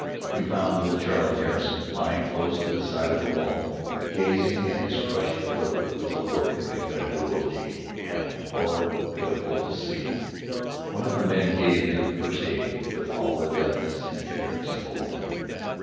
We found little Charlie Harrison lying close to the side of the wall, gazing at his crushed foot with a look of incredulity and horror pitiful to see. One of the men gave him first aid with all the deftness and tenderness of a woman.